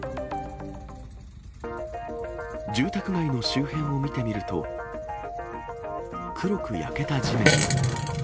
住宅街の周辺を見てみると、黒く焼けた地面が。